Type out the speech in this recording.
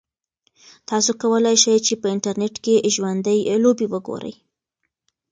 تاسو کولای شئ چې په انټرنیټ کې ژوندۍ لوبې وګورئ.